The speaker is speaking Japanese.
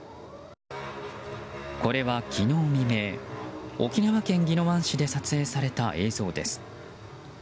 これは昨日未明沖縄県宜野湾市で撮影された映像です。